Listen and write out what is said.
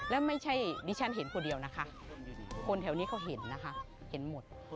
และไม่ใช่ดิฉันเห็นคนเดียวนะคะคนแถวนี้เขาเห็นนะคะเห็นหมด